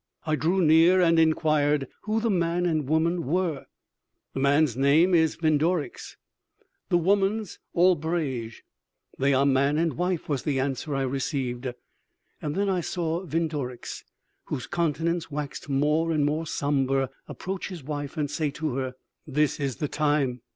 I drew near and inquired who the man and woman were. 'The man's name is Vindorix, the woman's Albrege; they are man and wife,' was the answer I received. I then saw Vindorix, whose countenance waxed more and more somber, approach his wife and say to her: "'This is the time.'